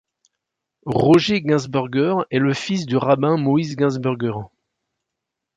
Roger Ginsburger est le fils du rabbin Moïse Ginsburger.